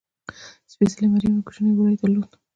سپېڅلې مریم یو کوچنی وری درلود.